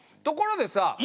ところでさ